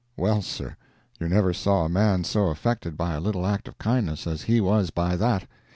Well, sir, you never saw a man so affected by a little act of kindness as he was by that.